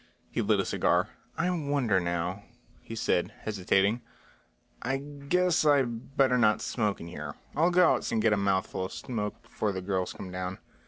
He lit a cigar. "I wonder now," he said, hesitating. "I guess I better not smoke in here. I'll go outside and get a mouthful of smoke before the girls come down."